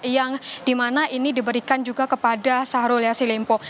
yang dimana ini diberikan juga kepada syahrul yassin limpo